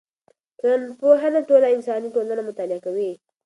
ټولنپوهنه ټوله انساني ټولنه مطالعه کوي.